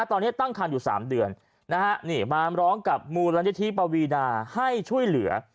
ตอนนี้ตั้งทางอยู่๓เดือนมาร้องกับมูลรัชทิปวีนาให้ช่วยเหลือ